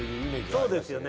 そうですよね。